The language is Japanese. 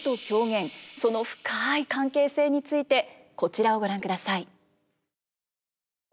その深い関係性についてこちらをご覧ください。